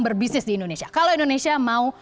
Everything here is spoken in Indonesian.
berbisnis di indonesia kalau indonesia mau